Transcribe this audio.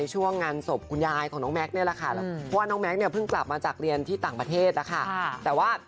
ชื่อละครสมัยนี้เนอะ